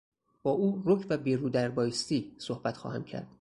با او رک و بی رو در بایستی صحبت خواهم کرد.